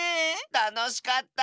たのしかった。